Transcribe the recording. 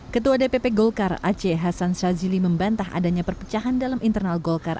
ketua dpp golkar aceh hasan shazili membantah adanya perpecahan dalam internal golkar